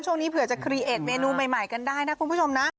ช่วยไหมมากันได้นะคุณไฟ